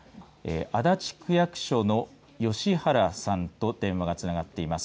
足立区役所の吉原さんと電話がつながっています。